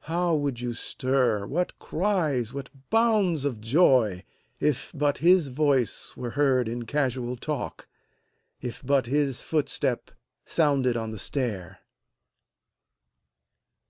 How would you stir, what cries, what bounds of joy, If but his voice were heard in casual talk, If but his footstep sounded on the stair